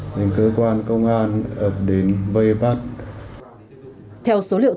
thì cơ quan công an ập đến vây bắt